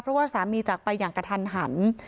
เพราะว่าสามีจากไปอย่างกระทันหัน